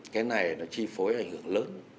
cái này nó chi phối ảnh hưởng lớn